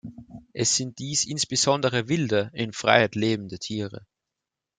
Es sind dies insbesondere wilde, in Freiheit lebende Tiere.